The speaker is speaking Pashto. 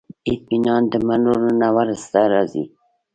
اطمینان د منلو نه وروسته راځي.